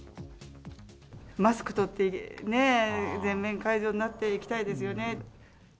マスク取ってね、全面解除になって行きたいですよね。